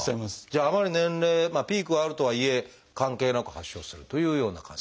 じゃああまり年齢ピークはあるとはいえ関係なく発症するというような感じ。